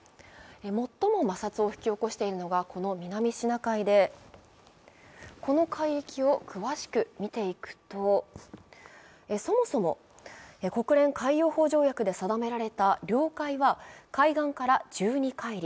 最も摩擦を引き起こしているのがこの南シナ海で、この海域を詳しく見ていくとそもそも国連海洋法条約で定められた領海は海岸から１２海里